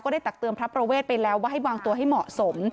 ได้ตักเตือนพระประเวทไปแล้วว่าให้วางตัวให้เหมาะสม